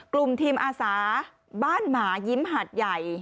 กลุ่มทีมอาสาบ้านหมายิ้มหาดใหญ่